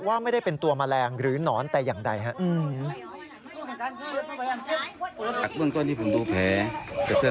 ว่าไม่ได้เป็นตัวแมลงหรือหนอนแต่อย่างใดครับ